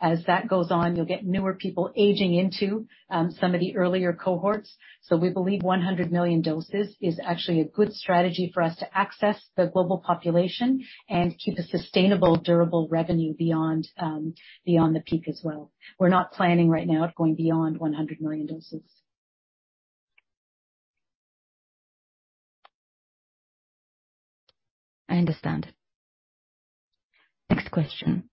As that goes on, you'll get newer people aging into some of the earlier cohorts. We believe 100 million doses is actually a good strategy for us to access the global population and keep a sustainable, durable revenue beyond beyond the peak as well. We're not planning right now going beyond 100 million doses. I understand. Next question.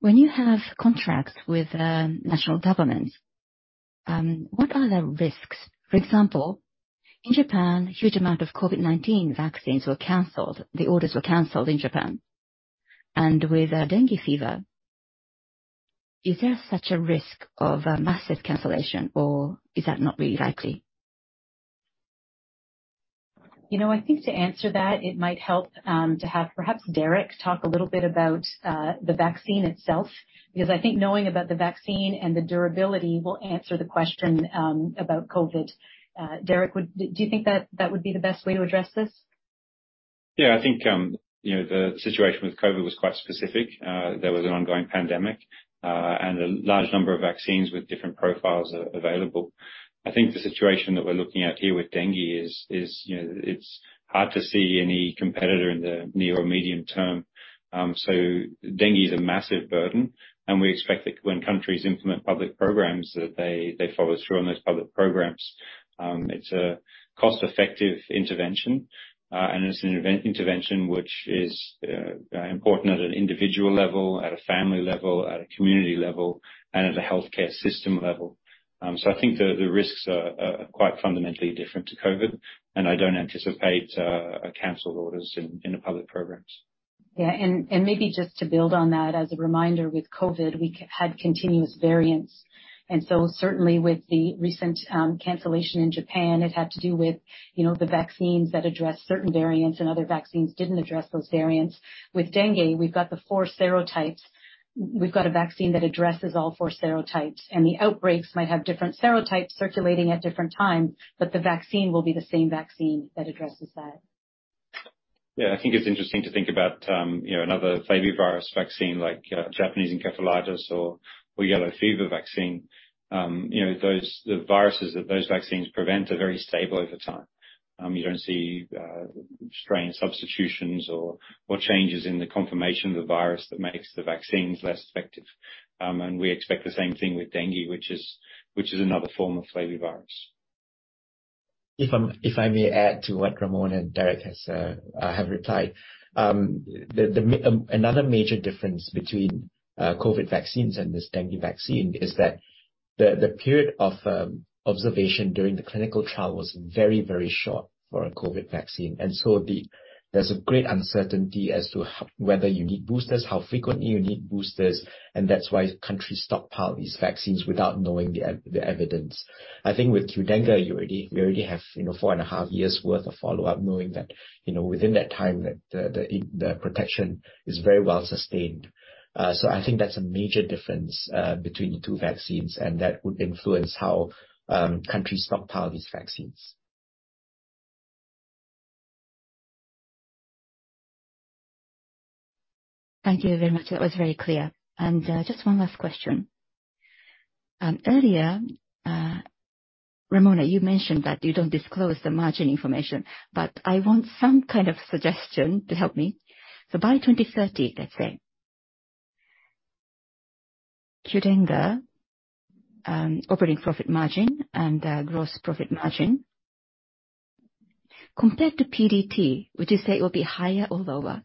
When you have contracts with national governments, what are the risks? For example, in Japan, huge amount of COVID-19 vaccines were canceled. The orders were canceled in Japan. With dengue fever, is there such a risk of a massive cancellation or is that not really likely? You know, I think to answer that, it might help, to have perhaps Derek talk a little bit about, the vaccine itself, because I think knowing about the vaccine and the durability will answer the question, about COVID. Derek, do you think that that would be the best way to address this? I think, you know, the situation with COVID was quite specific. There was an ongoing pandemic, and a large number of vaccines with different profiles available. I think the situation that we're looking at here with dengue is, you know, it's hard to see any competitor in the near or medium term. Dengue is a massive burden, and we expect that when countries implement public programs, that they follow through on those public programs. It's a cost-effective intervention, and it's an intervention which is important at an individual level, at a family level, at a community level, and at a healthcare system level. I think the risks are quite fundamentally different to COVID, and I don't anticipate canceled orders in the public programs. Yeah. Maybe just to build on that, as a reminder, with COVID, we had continuous variants. Certainly with the recent cancellation in Japan, it had to do with, you know, the vaccines that address certain variants and other vaccines didn't address those variants. With dengue, we've got the four serotypes. We've got a vaccine that addresses all four serotypes. The outbreaks might have different serotypes circulating at different times, but the vaccine will be the same vaccine that addresses that. I think it's interesting to think about, you know, another flavivirus vaccine like Japanese encephalitis or yellow fever vaccine. You know, the viruses that those vaccines prevent are very stable over time. You don't see strain substitutions or changes in the confirmation of the virus that makes the vaccines less effective. We expect the same thing with dengue, which is another form of flavivirus. If I may add to what Ramona and Derek have replied, another major difference between COVID vaccines and this dengue vaccine is that the period of observation during the clinical trial was very, very short for a COVID vaccine. There's a great uncertainty as to whether you need boosters, how frequently you need boosters, and that's why countries stockpile these vaccines without knowing the evidence. I think with Qdenga, we already have, you know, four and a half years worth of follow-up knowing that, you know, within that time that the protection is very well sustained. I think that's a major difference between the two vaccines, and that would influence how countries stockpile these vaccines. Thank you very much. That was very clear. Just one last question. Earlier, Ramona, you mentioned that you don't disclose the margin information, but I want some kind of suggestion to help me. By 2030, let's say, Qdenga operating profit margin and gross profit margin, compared to PDT, would you say it will be higher or lower?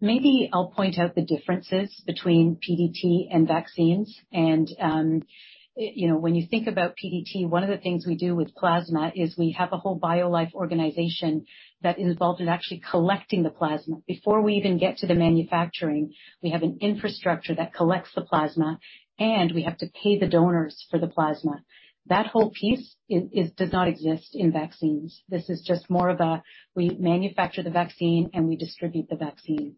Maybe I'll point out the differences between PDT and vaccines. You know, when you think about PDT, one of the things we do with plasma is we have a whole BioLife organization that is involved in actually collecting the plasma. Before we even get to the manufacturing, we have an infrastructure that collects the plasma, and we have to pay the donors for the plasma. That whole piece is does not exist in vaccines. This is just more of a, we manufacture the vaccine and we distribute the vaccine.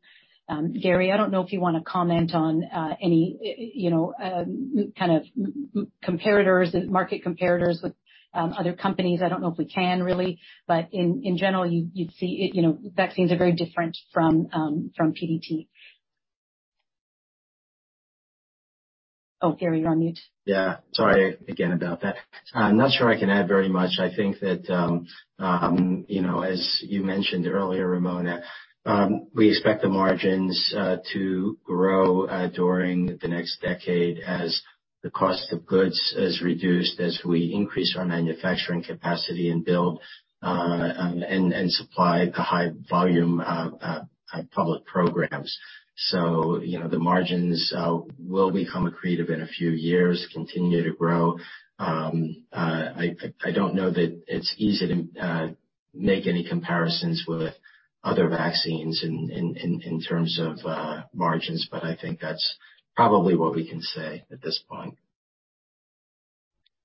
Gary, I don't know if you wanna comment on any, you know, kind of comparators, market comparators with other companies. I don't know if we can really, but in general, you'd see, it, you know, vaccines are very different from from PDT. Gary, you're on mute. Yeah. Sorry again about that. I'm not sure I can add very much. I think that, you know, as you mentioned earlier, Ramona, we expect the margins to grow during the next decade as the cost of goods is reduced, as we increase our manufacturing capacity and build and supply the high volume public programs. You know, the margins will become accretive in a few years, continue to grow. I don't know that it's easy to Make any comparisons with other vaccines in terms of margins, I think that's probably what we can say at this point.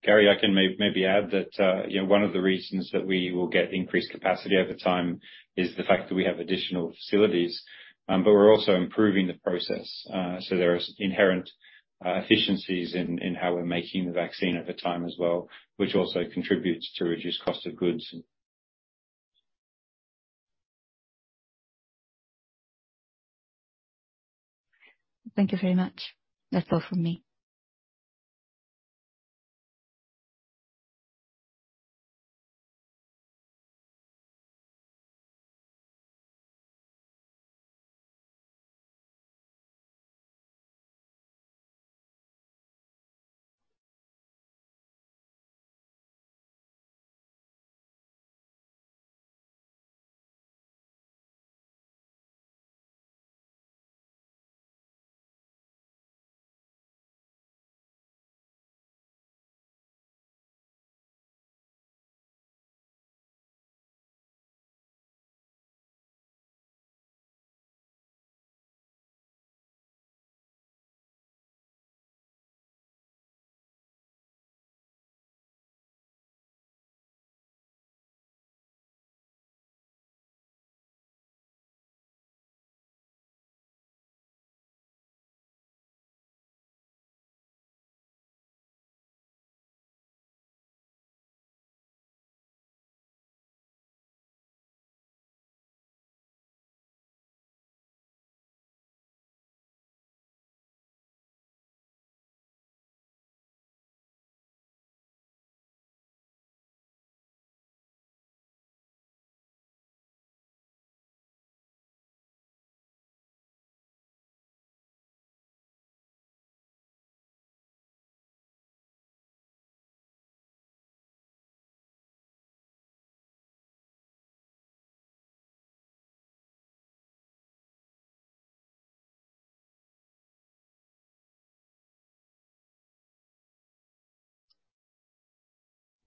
Gary, I can maybe add that, you know, one of the reasons that we will get increased capacity over time is the fact that we have additional facilities. We're also improving the process. There is inherent efficiencies in how we're making the vaccine at the time as well, which also contributes to reduced cost of goods. Thank you very much. That's all from me.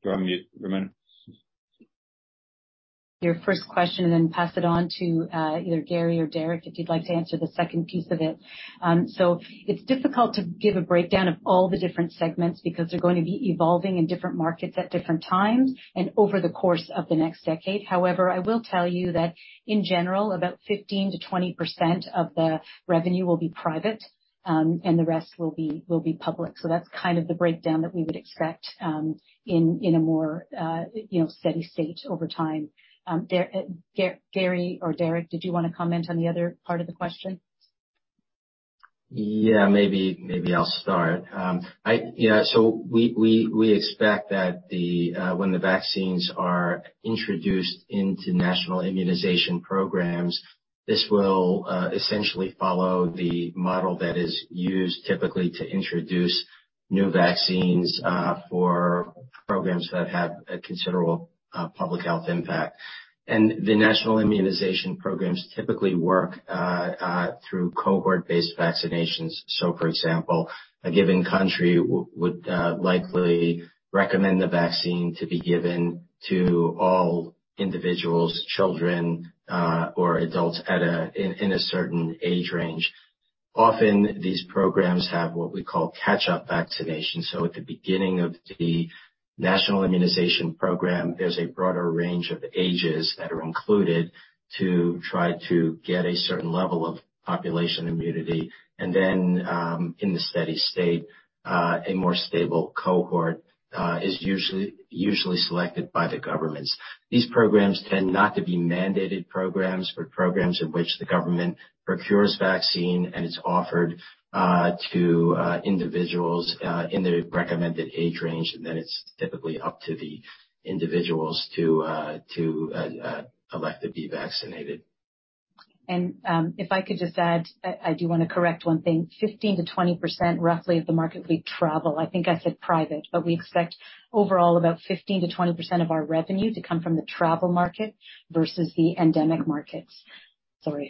You're on mute, Ramona. Your first question, then pass it on to, either Gary or Derek, if you'd like to answer the second piece of it. It's difficult to give a breakdown of all the different segments because they're going to be evolving in different markets at different times and over the course of the next decade. However, I will tell you that in general, about 15%-20% of the revenue will be private, and the rest will be public. That's kind of the breakdown that we would expect, in a more, you know, steady state over time. Gary or Derek, did you wanna comment on the other part of the question? Yeah, maybe I'll start. Yeah, we expect that when the vaccines are introduced into national immunization programs, this will essentially follow the model that is used typically to introduce new vaccines for programs that have a considerable public health impact. The national immunization programs typically work through cohort-based vaccinations. For example, a given country would likely recommend the vaccine to be given to all individuals, children, or adults in a certain age range. Often, these programs have what we call catch-up vaccinations. At the beginning of the national immunization program, there's a broader range of ages that are included to try to get a certain level of population immunity. In the steady state, a more stable cohort is usually selected by the governments. These programs tend not to be mandated programs, but programs in which the government procures vaccine, and it's offered to individuals in the recommended age range, and then it's typically up to the individuals to elect to be vaccinated. If I could just add, I do wanna correct one thing. 15%-20%, roughly, of the market will be travel. I think I said private. We expect overall about 15%-20% of our revenue to come from the travel market versus the endemic markets. Sorry.